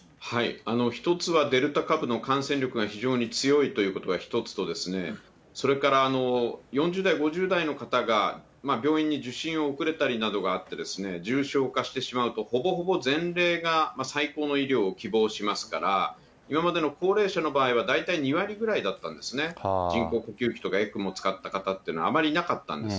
１つは、デルタ株の感染力が非常に強いということが１つと、それから４０代、５０代の方が病院に受診遅れたりなどがあったりして、重症化してしまうとほぼほぼ全例が、最高の医療を希望しますから、今までの高齢者の場合は大体２割ぐらいだったんですね、人工呼吸器とか、ＥＣＭＯ使った方っていうのはあまりいなかったんです。